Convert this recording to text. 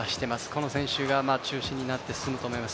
この選手が中心になって進むと思います。